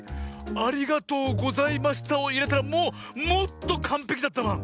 「ありがとうございました」をいえたらもうもっとかんぺきだったバン。